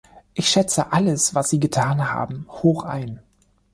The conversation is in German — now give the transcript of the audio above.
Ich schätze alles, was sie getan haben, hoch ein.